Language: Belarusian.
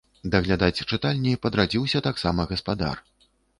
Даглядаць чытальні падрадзіўся таксама гаспадар.